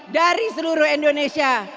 dari seluruh indonesia